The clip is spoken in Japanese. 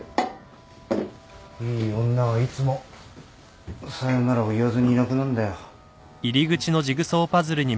いい女はいつもさよならを言わずにいなくなんだよ。